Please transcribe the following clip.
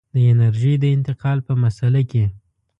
د انرژۍ د انتقال په مسأله کې.